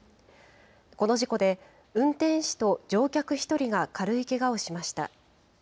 この事故で、運転士と乗客１人が軽いけがをしました。